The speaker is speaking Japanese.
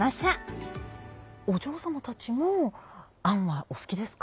お嬢さまたちも『アン』はお好きですか？